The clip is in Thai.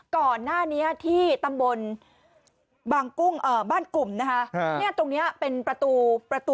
ก่อนหน้านี้ที่ตำบลบ้านกลุ่มนะคะเนี่ยตรงเนี้ยเป็นประตู